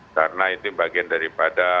karena itu bagian daripada